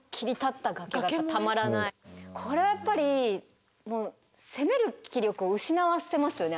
これはやっぱりもう攻める気力を失わせますよね